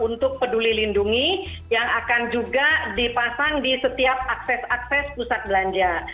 untuk peduli lindungi yang akan juga dipasang di setiap akses akses pusat belanja